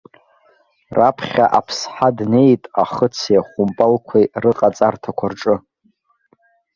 Раԥхьа аԥсҳа днеит ахыци ахәымпалқәеи рыҟаҵарҭақәа рҿы.